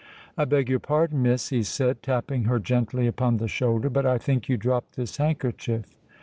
"I beg your pardon, Miss," he said, tapping her gently upon the shoulder; "but I think you dropped this handkerchief."